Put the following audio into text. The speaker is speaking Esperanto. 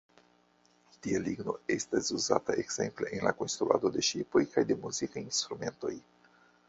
Tia ligno estas uzata ekzemple en la konstruado de ŝipoj kaj de muzikaj instrumentoj.